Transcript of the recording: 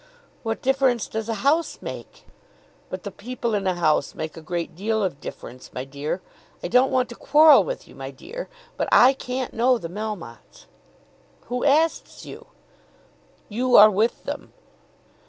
"What difference does a house make?" "But the people in a house make a great deal of difference, my dear. I don't want to quarrel with you, my dear; but I can't know the Melmottes." "Who asks you?" "You are with them."